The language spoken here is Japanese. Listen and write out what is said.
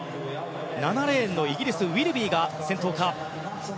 ７レーンのイギリス、ウィルビーが先頭か。